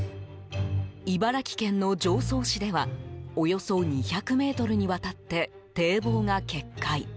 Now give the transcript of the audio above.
茨城県の常総市ではおよそ２００ｍにわたって堤防が決壊。